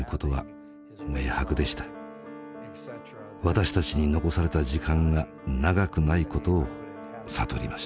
私たちに残された時間が長くないことを悟りました。